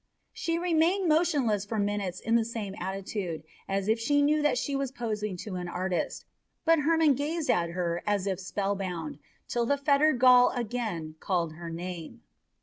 She remained motionless for minutes in the same attitude, as if she knew that she was posing to an artist; but Hermon gazed at her as if spell bound till the fettered Gaul again called her name.